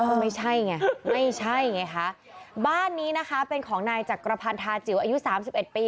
ก็ไม่ใช่ไงไม่ใช่ไงคะบ้านนี้นะคะเป็นของนายจักรพันธาจิ๋วอายุสามสิบเอ็ดปี